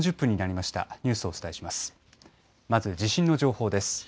まず地震の情報です。